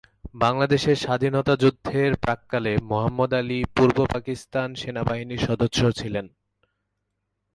বাংলাদেশের স্বাধীনতা যুদ্ধের প্রাক্কালে মোহাম্মদ আলী পূর্ব পাকিস্তান সেনাবাহিনীর সদস্য ছিল।